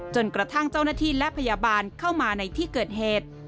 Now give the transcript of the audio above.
จนกระทั่งเจ้าหน้าที่และพยาบาลเข้ามาในที่เกิดเหตุ